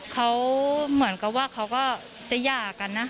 เขาเหมือนกับว่าเขาก็จะหย่ากันนะ